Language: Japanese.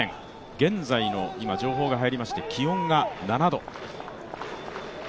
現在の情報が入りまして、気温が７度。